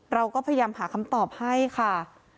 เราก็พยายามหาคำตอบให้ค่ะ